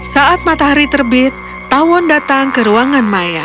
saat matahari terbit tawon datang ke ruangan maya